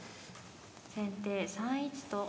先手３一と金。